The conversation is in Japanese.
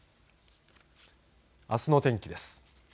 あすの天気です。